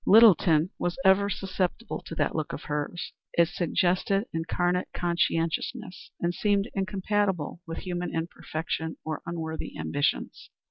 Littleton was ever susceptible to that look of hers. It suggested incarnate conscientiousness, and seemed incompatible with human imperfection or unworthy ambitions.